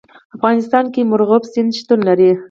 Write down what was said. په افغانستان کې مورغاب سیند شتون لري.